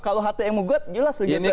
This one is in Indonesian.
kalau hte yang mengugat jelas legal standing